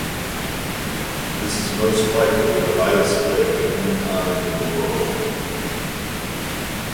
This is most likely the highest lake of any kind in the world.